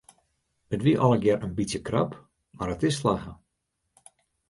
It wie allegear in bytsje krap mar it is slagge.